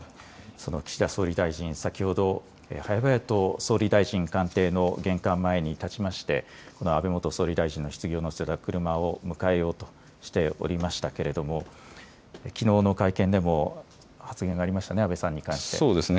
その岸田総理大臣、先ほどはやばやと総理大臣官邸の玄関前に立ちまして安倍元総理大臣のひつぎを乗せた車を迎えようとしておりましたけれどもきのうの会見でも発言がありましたね、安倍さんに関して。